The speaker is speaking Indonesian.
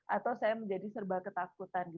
atau saya menjadi serba ketakutan